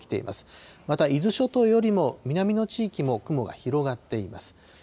また伊豆諸島よりも南の地域も雲が広がっています。